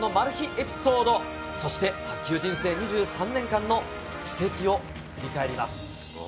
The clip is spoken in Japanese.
エピソード、そして、卓球人生２３年間の軌跡を振り返ります。